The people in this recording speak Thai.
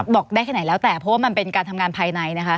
บอกได้แค่ไหนแล้วแต่เพราะว่ามันเป็นการทำงานภายในนะคะ